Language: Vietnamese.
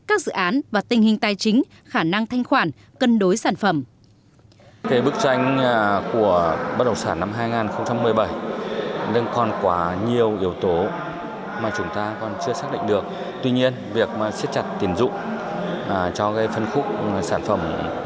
các dự án và tình hình tài chính khả năng thanh khoản cân đối sản phẩm